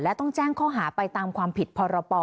และต้องแจ้งข้อหาไปตามความผิดพรป